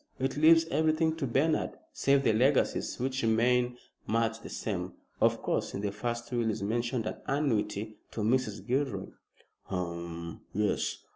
It leaves everything to Bernard save the legacies, which remain much the same. Of course, in the first will is mentioned an annuity to Mrs. Gilroy." "Hum, yes.